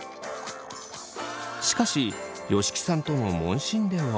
しかし吉木さんとの問診では。